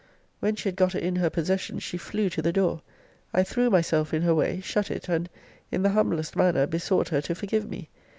When she had got it in her possession, she flew to the door. I threw myself in her way, shut it, and, in the humblest manner, besought her to forgive me.